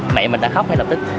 mẹ mình đã khóc ngay lập tức